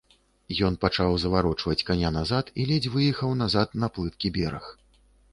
Ён пачаў заварочваць каня назад і ледзь выехаў назад на плыткі бераг.